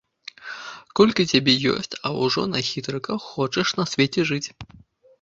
Колькі цябе ёсць, а ўжо на хітрыках хочаш на свеце жыць!